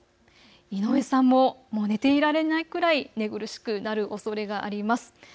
井上さんももう寝ていられないくらい、寝苦しくなるおそれがあります。